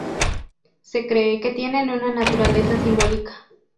Se cree que tienen una naturaleza simbólica.